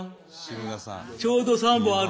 ちょうど３本ある。